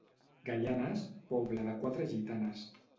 Gaianes, poble de quatre gitanes.